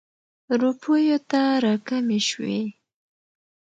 روپیو ته را کمې شوې.